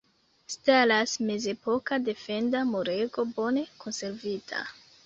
Staras mezepoka defenda murego bone konservita.